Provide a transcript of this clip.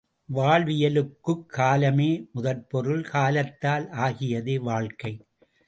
வாழ்வியலுக்குக் காலமே முதற்பொருள், காலத்தால் ஆகியதே வாழ்க்கை!